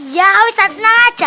ya ustaz tenang saja